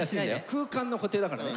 空間の固定だからね。